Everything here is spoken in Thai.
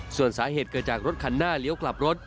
ส่วนสาเหตุเกิดจากรถคันหน้าเลี้ยวกลับรถ